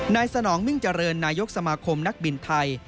สนองมิ่งเจริญนายกสมาคมนักบินไทย